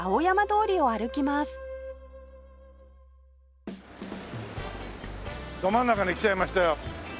ど真ん中に来ちゃいましたよ。